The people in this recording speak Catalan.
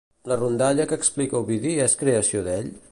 La rondalla que explica Ovidi és creació d'ell?